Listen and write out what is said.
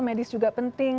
medis juga penting